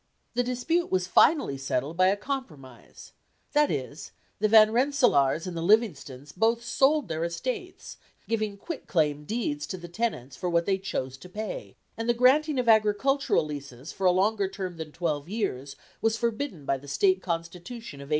The dispute was finally settled by a compromise that is, the Van Rensselaers and the Livingstons both sold their estates, giving quit claim deeds to the tenants for what they chose to pay, and the granting of agricultural leases for a longer term than twelve years was forbidden by the State Constitution of 1846.